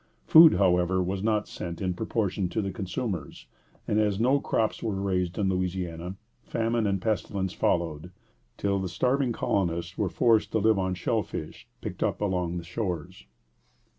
Food, however, was not sent in proportion to the consumers; and as no crops were raised in Louisiana, famine and pestilence followed, till the starving colonists were forced to live on shell fish picked up along the shores.